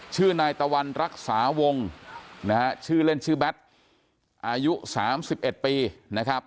ชื่อนายตะวันรักษาวงนะฮะชื่อเล่นชื่อแบทอายุ๓๑ปีนะครับ